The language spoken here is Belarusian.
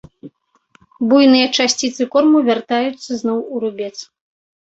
Буйныя часціцы корму вяртаюцца зноў у рубец.